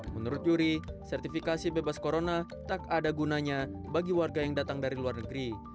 menurut yuri sertifikasi bebas corona tak ada gunanya bagi warga yang datang dari luar negeri